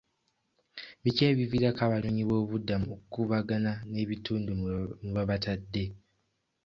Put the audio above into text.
Biki ebiviirako abanoonyi b'bobubuddamu okukuubagana n'ebitundu mwe babatadde.